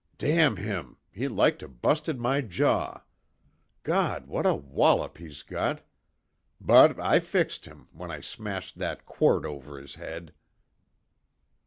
"Damn him! He like to busted my jaw! Gawd, what a wallop he's got! But I fixed him, when I smashed that quart over his head!"